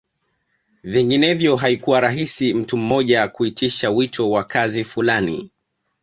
Vinginevyo haikuwa rahisi mtu mmoja kuitisha wito wa kazi fulani